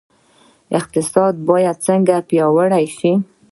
اقتصاد باید څنګه پیاوړی شي؟